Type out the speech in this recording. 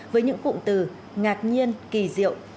với những cụm từ ngạc nhiên kỳ diệu